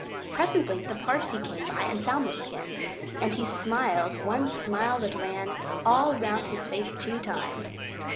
Presently the Parsee came by and found the skin, and he smiled one smile that ran all round his face two times.